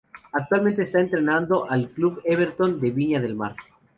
Actualmente está entrenando al club Everton de Viña del Mar.